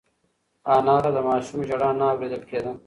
انا ته د ماشوم ژړا نه اورېدل کېده.